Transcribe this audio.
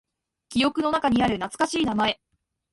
記憶の中にある懐かしい名前。